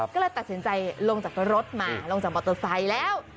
ก็เลยตัดสินใจลงจากรถมาลงจากมอเตอร์ไซค์แล้ว